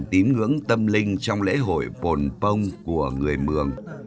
tím ngưỡng tâm linh trong lễ hội bồn bông của người mường